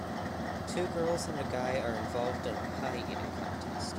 Two girls and a guy are involved in a pie eating contest.